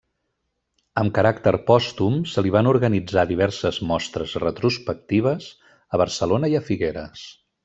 Amb caràcter pòstum se li van organitzar diverses mostres retrospectives a Barcelona i a Figueres.